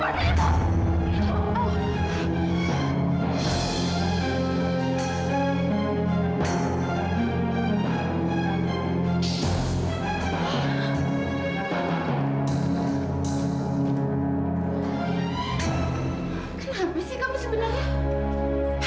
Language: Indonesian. kenapa sih kamu sebenarnya